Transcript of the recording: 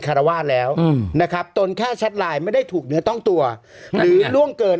คารวาสแล้วนะครับตนแค่แชทไลน์ไม่ได้ถูกเนื้อต้องตัวหรือล่วงเกิน